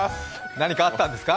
何かあったんですか？